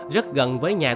rất gần với nhà của